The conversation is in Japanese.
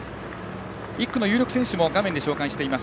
１区の有力選手も画面で紹介しています。